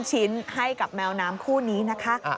ชิ้นให้กับแมวน้ำคู่นี้นะคะ